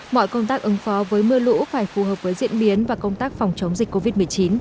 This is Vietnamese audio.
mọi công tác ứng phó với mưa lũ phải phù hợp với diễn biến và công tác phòng chống dịch covid một mươi chín